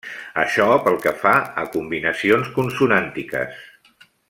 Això pel que fa a combinacions consonàntiques.